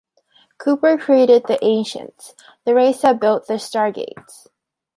Cooper created the Ancients, the race that built the stargates.